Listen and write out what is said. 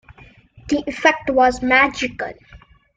The effect was magical.